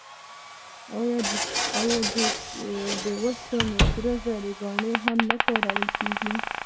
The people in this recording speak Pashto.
آیا د سپینو زرو ګاڼې هم نه کارول کیږي؟